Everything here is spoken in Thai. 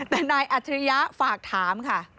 แต่ไนย์อัจธิระยะฝากถามค่ะ